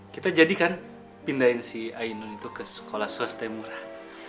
kita jadikan pindahin si ainun itu ke sekolah swasta yang murah